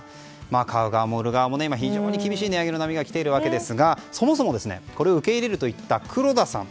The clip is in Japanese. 買う側も売る側も非常に厳しい値上げの波ですがそもそも、これを受け入れるといった黒田さん。